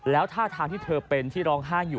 แล้วท่าทางที่เธอเป็นที่ร้องไห้อยู่